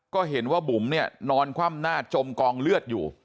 ก็เห็นว่าบุ๋มเนี่ยนอนคว่ำหน้าจมกองเลือดอยู่